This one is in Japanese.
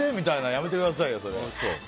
やめてくださいよ、それ。